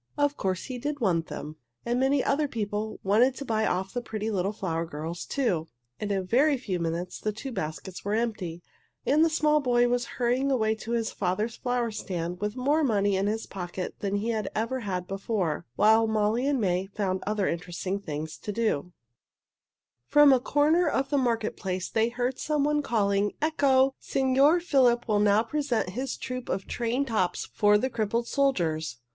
Of course he did want them, and many other people wanted to buy of the pretty little flower girls, too. In a very few minutes the two baskets were empty, and the small boy was hurrying away to his father's flower stand with more money in his pocket than he had ever had before, while Molly and May found other interesting things to do. [Illustration: They watched Filippo spin his tops] From a corner of the market place they heard some one calling, "Ecco! Signor Filippo will now present his troup of trained tops for the crippled soldiers."